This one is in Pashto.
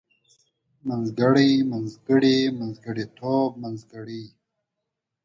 منځګړی منځګړي منځګړيتوب منځګړۍ